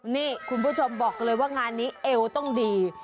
นี่คุณผู้ชมบอกเลยว่างานนี้เอวต้องดี